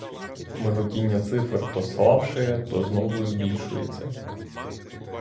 Миготіння цифр то слабшає, то знову збільшується.